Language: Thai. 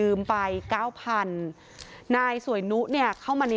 เอาอาละเล่นกัน